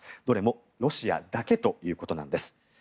どれもロシアだけということなんです。